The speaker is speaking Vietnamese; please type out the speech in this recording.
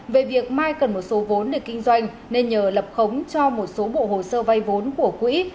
về việc mai cần một số vốn để kinh doanh nên nhờ lập khống cho một số bộ hồ sơ vay vốn của quỹ